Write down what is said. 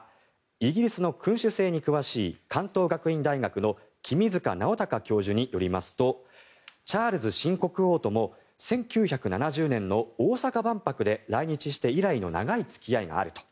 イギリスの君主制に詳しい関東学院大学の君塚直隆教授によりますとチャールズ新国王とも１９７０年の大阪万博で来日して以来の長い付き合いがあると。